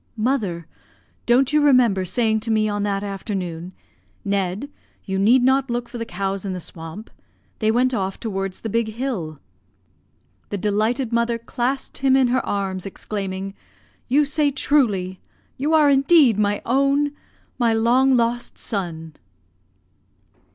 "Mother, don't you remember saying to me on that afternoon, 'Ned, you need not look for the cows in the swamp, they went off towards the big hill.' "The delighted mother clasped him in her arms, exclaiming, 'You say truly, you are indeed my own, my long lost son!'"